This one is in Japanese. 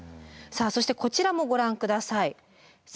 さあそしてこちらもご覧ください。